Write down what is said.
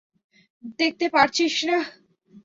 দেখতে পারছিস না?